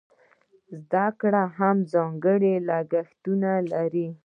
دا زده کړه هم ځانګړي لګښتونه لري.